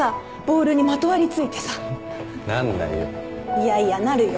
いやいやなるよ。